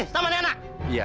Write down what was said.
lu main gua